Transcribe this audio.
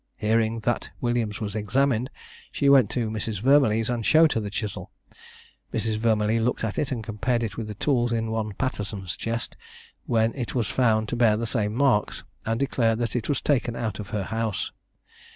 Hearing that Williams was examined, she went to Mrs. Vermillee's, and showed her the chisel. Mrs. Vermillee looked at it, and compared it with the tools in one Patterson's chest, when it was found to bear the same marks, and declared that it was taken out of her house.